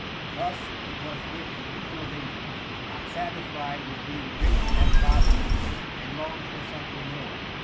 Thus it was with the people of England :—" Not satisfied with being rich and prosperous. \ THE MOMMT. 9 they longed 'for something more.